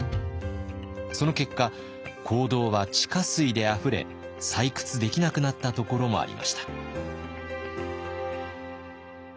その結果坑道は地下水であふれ採掘できなくなったところもありました。